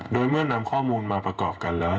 โดยเมื่อนำข้อมูลมาประกอบกันแล้ว